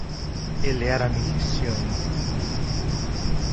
Ele era miliciano.